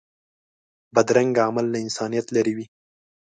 بدرنګه عمل له انسانیت لرې وي